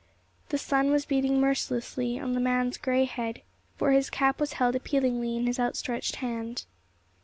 The sun was beating mercilessly on the man's gray head, for his cap was held appealingly in his outstretched hand.